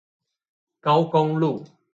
高工路